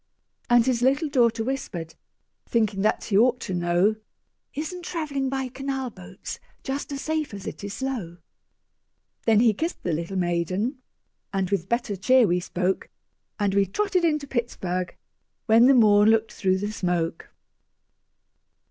And his little daughter whispered, Thinking that he ought to know, "Isn't travelling by canal boats Just as safe as it is slow?" Then he kissed the little maiden, And with better cheer we spoke, And we trotted into Pittsburg, When the morn looked through the smoke.